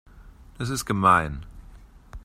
Das ist gemein.